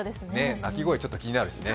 鳴き声がちょっと気になるしね。